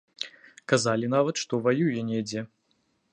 Казалі нават, што ваюе недзе.